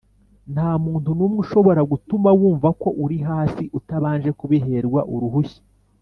ntamuntu numwe ushobora gutuma wumva ko uri hasi utabanje kubiherwa uruhushya